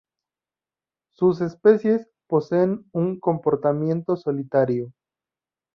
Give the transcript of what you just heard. Sus especies poseen un comportamiento solitario.